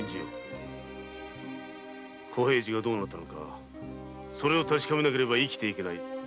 小平次がどうなったかそれを確かめなければ生きてゆけない。